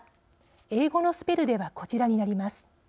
英語のスペルではこちらになります。